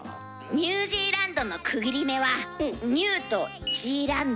「ニュージーランド」の区切り目は「ニュー」と「ジーランド」。